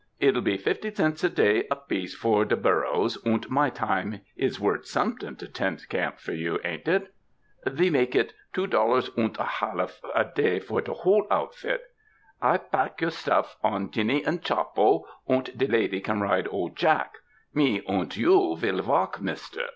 It'll be fifty cents a day apiece for de burros, unt my time is wort' somet'ing to tend camp for you, ain't it? We make it two dollars unt a halluf a day for de whole outfit; I pack your stuff 32 THE DESERTS on Jinny and Chappo, nnt cle lady can ride old Jack. Me unt you vill valk, mister.